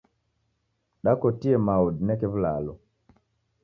Dakotie mao udineke w'ulalo.